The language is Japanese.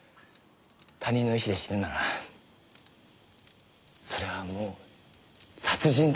他人の意思で死ぬならそれはもう殺人です。